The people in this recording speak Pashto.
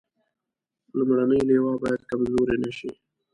لومړنۍ لواء باید کمزورې نه شي.